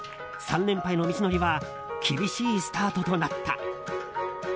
３連覇への道のりは厳しいスタートとなった。